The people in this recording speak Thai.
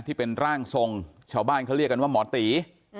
ที่เป็นร่างทรงชาวบ้านเขาเรียกกันว่าหมอตี